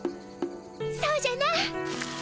そうじゃな！